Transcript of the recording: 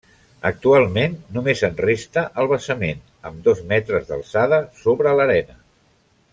Actualment només en resta el basament, amb dos metres d'alçada sobre l'arena.